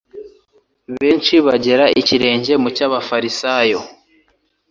Benshi bagera ikirenge mu cy'abafarisayo;